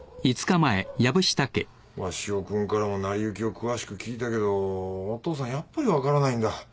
鷲尾君からも成り行きを詳しく聞いたけどお父さんやっぱり分からないんだ。